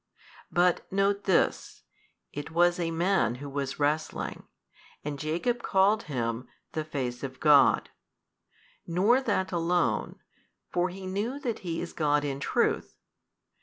But note this, it was a man who was wrestling, and Jacob called him The Face of God: nor that alone, for he knew that He is God in truth.